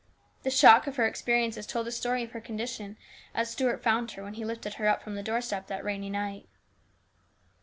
The shock of her experiences told the story of her condition as Stuart found her when he lifted her up from the doorstep that rainy night.